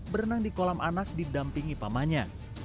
berenang di kolam anak di dampingi pamahnya